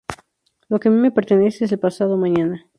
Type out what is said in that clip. Lo que a mí me pertenece es el pasado mañana.